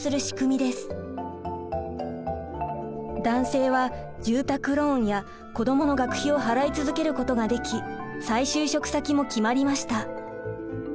男性は住宅ローンや子どもの学費を払い続けることができ再就職先も決まりました。